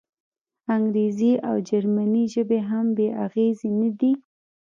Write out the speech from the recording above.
انګریزي او جرمني ژبې هم بې اغېزې نه دي.